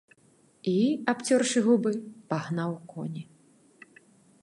І, абцёршы губы, пагнаў коні.